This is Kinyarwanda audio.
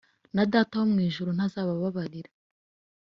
na Data wo mu ijuru ntazababarira